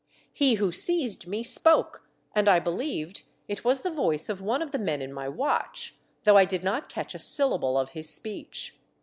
He who seized me spoke, and I believed it was the voice of one of the men in my watch, though I did not catch a syllable of his speech.